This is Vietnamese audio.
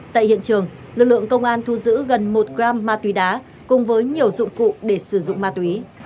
tại hiện trường lực lượng công an thu giữ gần một gram ma túy đá cùng với nhiều dụng cụ để sử dụng ma túy